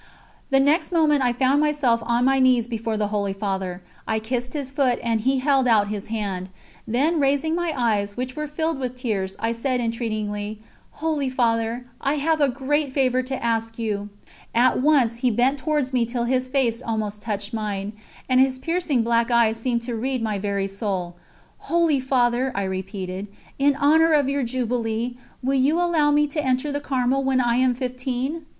The next moment I found myself on my knees before the Holy Father. I kissed his foot and he held out his hand; then raising my eyes, which were filled with tears, I said entreatingly: "Holy Father, I have a great favour to ask you." At once he bent towards me till his face almost touched mine, and his piercing black eyes seemed to read my very soul. "Holy Father," I repeated, "in honour of your jubilee, will you allow me to enter the Carmel when I am fifteen?"